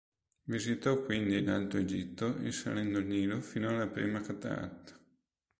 Visitò quindi l'Alto Egitto risalendo il Nilo fino alla prima cataratta.